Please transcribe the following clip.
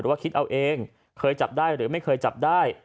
ว่าคิดเอาเองเคยจับได้หรือไม่เคยจับได้